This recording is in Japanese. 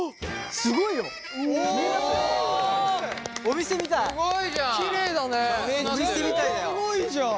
すごいじゃん。